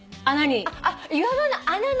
あっ岩場の穴の。